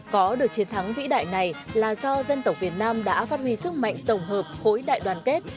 có được chiến thắng vĩ đại này là do dân tộc việt nam đã phát huy sức mạnh tổng hợp khối đại đoàn kết